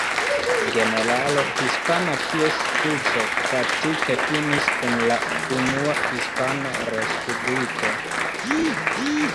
Generalo hispana kies puĉo praktike finis kun la Unua Hispana Respubliko.